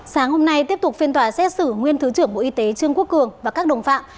sáng hôm nay tiếp tục phiên tòa xét xử nguyên thứ trưởng bộ y tế trương quốc cường và các đồng phạm